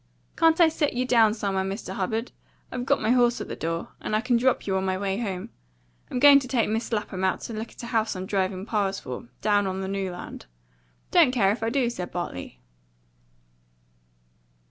"Can't I set you down somewhere, Mr. Hubbard? I've got my horse at the door, and I can drop you on my way home. I'm going to take Mis' Lapham to look at a house I'm driving piles for, down on the New Land." "Don't care if I do," said Bartley.